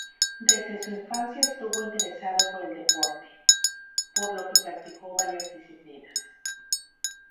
Desde su infancia estuvo interesado por el deporte, por lo que practicó varias disciplinas.